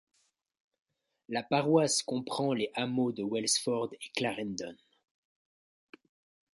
La paroisse comprend les hameaux de Welsford et Clarendon.